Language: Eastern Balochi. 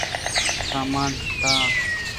سامان شت اَنت